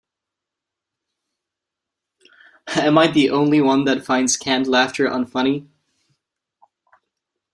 Am I the only one that finds canned laughter unfunny?